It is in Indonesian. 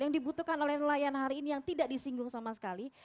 yang dibutuhkan oleh nelayan hari ini yang tidak disinggung sama sekali